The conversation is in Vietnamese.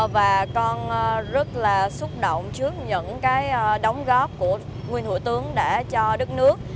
và con rất là xúc động trước những cái đóng góp của nguyên thủ tướng đã cho đất nước